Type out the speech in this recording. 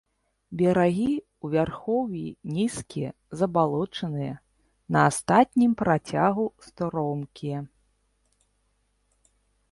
Берагі ў вярхоўі нізкія, забалочаныя, на астатнім працягу стромкія.